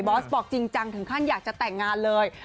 สบอกจริงจังถึงขั้นอยากจะแต่งงานเลย